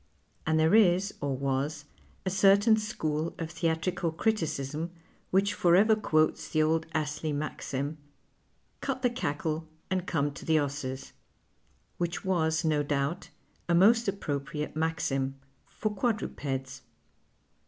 And there is, or was, a certain sciiool of theatrical criticism which forever quotes the old Astlcy maxim, " Cut the cackle and come to the 'esses "— which was no doubt a most approi)riate maxim, for quadrujx'ds.